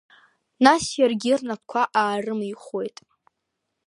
Нас иаргьы рнапқәа аарымихуеит.